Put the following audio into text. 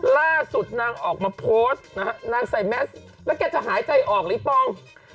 ล่าสุดนางออกมาโพสต์นะฮะนางใส่แมสแล้วแกจะหายใจออกหรือปอง